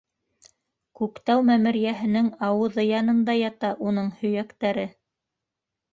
Күктау мәмерйәһенең ауыҙы янында ята уның һөйәктәре.